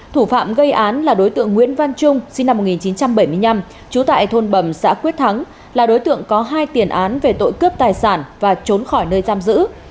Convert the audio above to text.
thủ phạm gây án là đối tượng nguyễn văn trung sinh năm một nghìn chín trăm bảy mươi năm trú tại thôn bầm xã quyết thắng là đối tượng có hai tiền án về tội cướp tài sản và trốn khỏi nơi giam giữ